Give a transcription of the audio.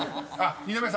［二宮さん